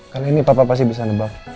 kali ini papa pasti bisa nebak